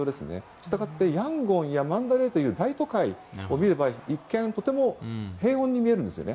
したがってヤンゴンなどの大都会を見れば、一見とても平穏に見えるんですね。